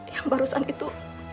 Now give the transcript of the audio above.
yang barusan itu